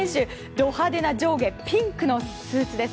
ド派手な上下ピンクのスーツです。